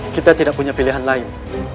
kita tidak punya pilihan lain